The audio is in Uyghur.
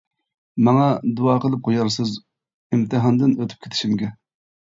ماڭا دۇئا قىلىپ قۇيارسىز، ئىمتىھاندىن ئۆتۈپ كېتىشىمگە.